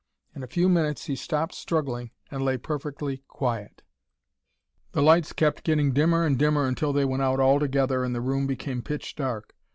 In a few minutes he stopped struggling and lay perfectly quiet. "The lights kept getting dimmer and dimmer until they went out altogether and the room became pitch dark.